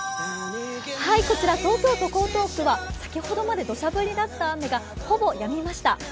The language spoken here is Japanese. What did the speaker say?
こちら、東京都江東区は先ほどまで土砂降りだった雨がほぼやみました。